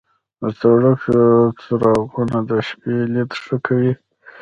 د سړک څراغونه د شپې لید ښه کوي.